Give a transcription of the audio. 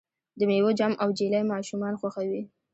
د میوو جام او جیلی ماشومان خوښوي.